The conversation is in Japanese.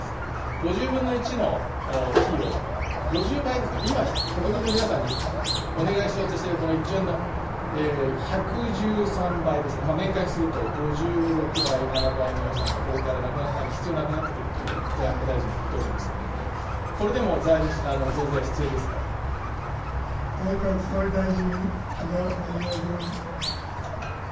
５０分の１の費用、５０倍ですね、今、国民の皆さんにお願いしようとしているこの１兆円の１１３倍ですね、年間にすると５６倍、７倍の予算がこれから必要なくなってくるという財務大臣のご答弁でしたけれども、これでも増税は必内閣総理大臣、岸田文雄君。